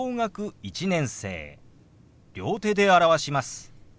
両手で表します。